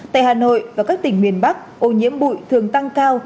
tại hà nội và các tỉnh miền bắc ô nhiễm bụi thường tăng cao